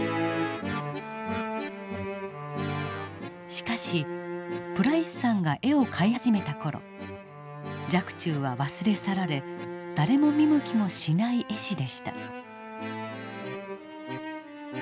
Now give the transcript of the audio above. しかしプライスさんが絵を買い始めた頃若冲は忘れ去られ誰も見向きもしない絵師でした。